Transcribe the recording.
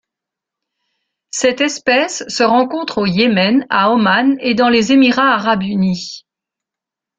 Cette espèce se rencontre au Yémen, à Oman et dans les Émirats arabes unis.